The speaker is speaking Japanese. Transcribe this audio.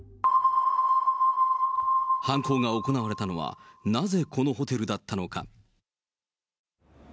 犯行が行われたのは、なぜこのホテルだったのか。